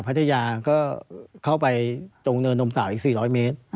พัทยาก็เข้าไปตรงเนินนมสาวอีก๔๐๐เมตร